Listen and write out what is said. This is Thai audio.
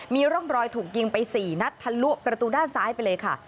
มีร่องรอยถูกยิงไป๔นัดทะลุประตูด้านซ้ายไปเลยค่ะ